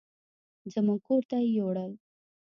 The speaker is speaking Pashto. زموږ کور ته يې يوړل.